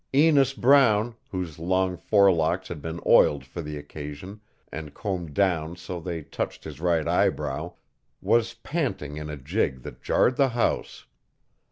Enos Brown, whose long forelocks had been oiled for the occasion and combed down so they touched his right eyebrow, was panting in a jig that jarred the house.